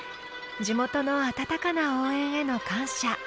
地元の温かな応援への感謝。